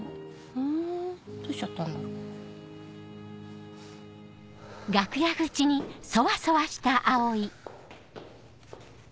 ふんどうしちゃったんだろう？ハァ。